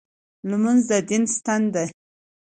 لمونځ د دین ستن ده.